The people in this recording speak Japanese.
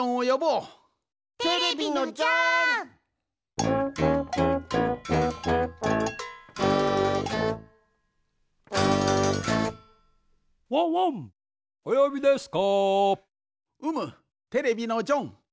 うむテレビのジョン。